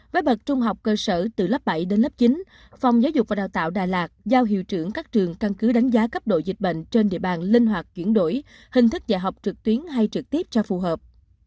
với bậc trung học cơ sở từ lớp bảy đến lớp chín phòng giáo dục và đào tạo đà lạt giao hiệu trưởng các trường căn cứ đánh giá cấp độ dịch bệnh trên địa bàn linh hoạt chuyển đổi hình thức dạy học trực tuyến hay trực tiếp cho phù hợp